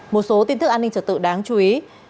một số tin tức an ninh trật tự đáng chú ý